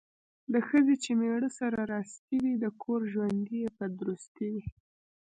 د ښځې چې میړه سره راستي وي، د کور ژوند یې په درستي وي.